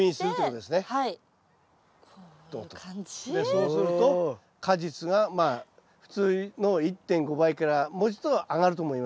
そうすると果実がまあ普通の１．５倍からもうちょっと上がると思いますけどねはい。